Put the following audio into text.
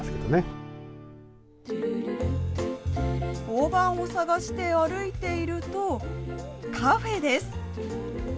オオバンを探して歩いていると、カフェです。